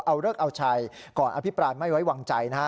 เอาเลิกเอาชัยก่อนอภิปรายไม่ไว้วางใจนะฮะ